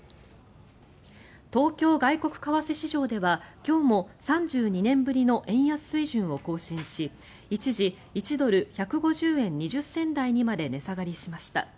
東京外国為替市場では今日も３２年ぶりの円安水準を更新し一時１ドル＝１５０円２０銭台にまで値下がりました。